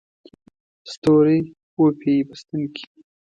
ستوري وپېي په ستن کې